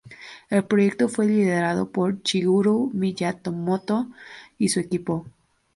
El proyecto fue liderado por Shigeru Miyamoto y su equipo.